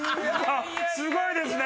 すごいですね！